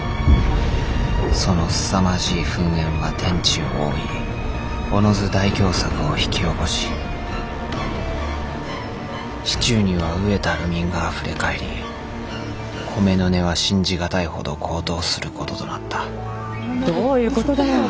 そのすさまじい噴煙は天地を覆いおのず大凶作を引き起こし市中には飢えた流民があふれ返り米の値は信じがたいほど高騰することとなったどういうことだよ！